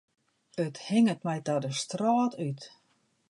It hinget my ta de strôt út.